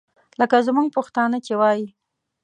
لکه زموږ پښتانه چې وایي.